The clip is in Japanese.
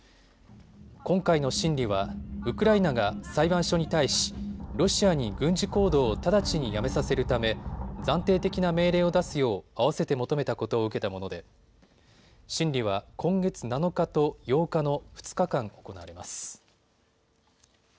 今回の審理はウクライナが裁判所に対しロシアに軍事行動を直ちにやめさせるため暫定的な命令を出すようあわせて求めたことを受けたもので審理は今月７日と８日の２日間行われます。